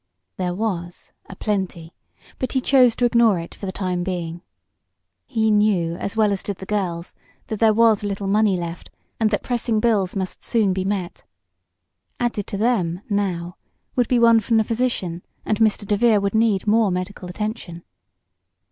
There was a plenty; but he chose to ignore it for the time being. He knew, as well as did the girls, that there was little money left, and that pressing bills must soon be met. Added to them, now, would be one from the physician and Mr. DeVere would need more medical attention.